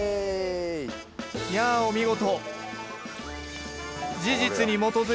やあお見事！